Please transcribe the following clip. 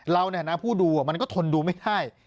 เราในฐานะผู้ดูในที่มันก็ทนดูไม่ได้